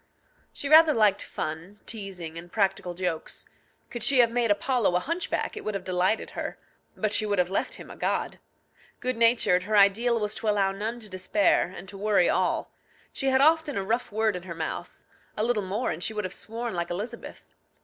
She rather liked fun, teasing, and practical jokes. Could she have made Apollo a hunchback, it would have delighted her. But she would have left him a god. Good natured, her ideal was to allow none to despair, and to worry all. She had often a rough word in her mouth; a little more, and she would have sworn like Elizabeth.